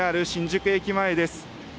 ＪＲ新宿駅前です。